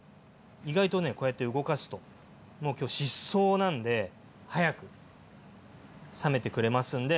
意外とねこうやって動かすともう今日疾走なんで早く冷めてくれますんで。